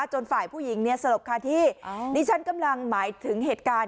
จนฝ่ายผู้หญิงเนี่ยสลบคาที่ดิฉันกำลังหมายถึงเหตุการณ์